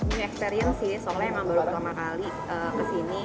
ini experience sih soalnya memang baru pertama kali ke sini